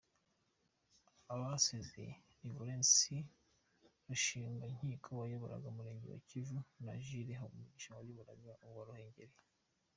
Abasezeye ni Valens Rushingwankiko wayoboraga Umurenge wa Kivu na Jules Habumugisha wayoboraga uwa Ruheru.